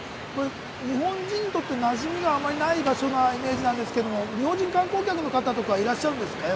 日本人にとって、なじみがあまりない場所なイメージですけれど、日本人観光客の方とかいらっしゃるんですか？